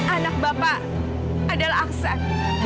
anak bapak adalah aksan